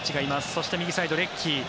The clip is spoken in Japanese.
そして、右サイドにレッキー。